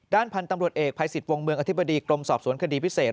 พันธุ์ตำรวจเอกภัยสิทธิ์วงเมืองอธิบดีกรมสอบสวนคดีพิเศษ